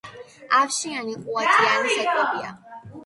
ავშნიანი ყუათიანი საკვებია.